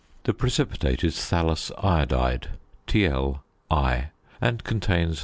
The precipitate is thallous iodide TlI, and contains 61.